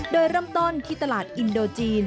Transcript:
โดยเริ่มต้นที่ตลาดอินโดจีน